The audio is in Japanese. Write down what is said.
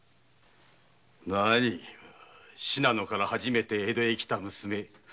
なあに信濃から初めて江戸へ来た娘